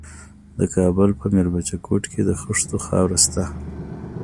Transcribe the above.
د کابل په میربچه کوټ کې د خښتو خاوره شته.